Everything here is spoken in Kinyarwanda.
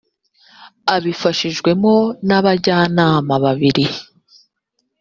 abifashijwemo n abajyanama babiri